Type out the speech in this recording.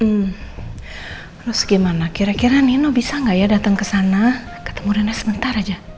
terus gimana kira kira nino bisa nggak ya datang ke sana ketemu neno sebentar aja